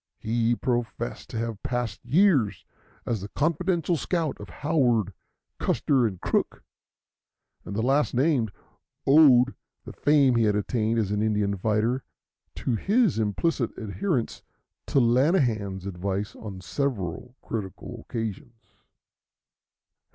He professed to have passed years as the confidential scout of Howard, Custer, and Crook, and the last named owed the fame he had attained as an Indian fighter to his implicit adherence to Lanahan's advice on several critical occasions.